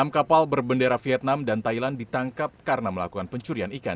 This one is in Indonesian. enam kapal berbendera vietnam dan thailand ditangkap karena melakukan pencurian ikan